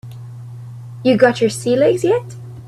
You got your sea legs yet?